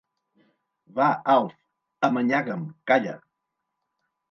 Va, Alf, amanyaga'm, calla.